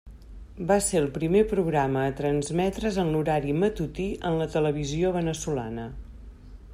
Va ser el primer programa a transmetre's en l'horari matutí en la televisió veneçolana.